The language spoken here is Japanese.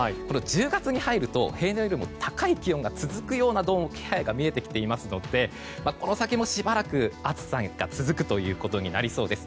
１０月に入ると平年よりも高い気温が続くような気配が見えてきていますのでこの先もしばらく暑さが続くことになりそうです。